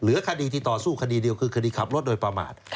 คดีที่ต่อสู้คดีเดียวคือคดีขับรถโดยประมาท